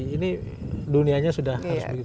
ini dunianya sudah